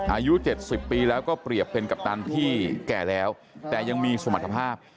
อายุ๗๐ปีแล้วก็เปรียบเป็นกัปตันที่แก่แล้วแต่ยังมีสมรรถภาพ